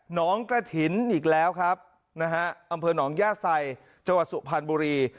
น้องกระถิ่นอีกแล้วครับนะฮะอำเภอหนองย่าไซจังหวัดสุพรรณบุรี